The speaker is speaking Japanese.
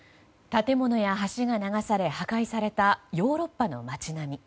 建物や橋が流され破壊されたヨーロッパの街並み。